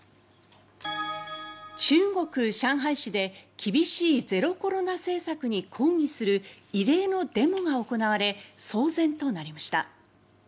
中国・上海市で厳しいゼロコロナ政策に抗議する異例のデモが行われ騒然となりました。